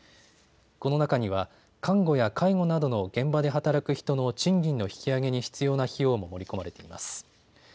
この中には看護や介護などの現場で働く人の賃金の引き上げに必要な費用も盛り込まれています。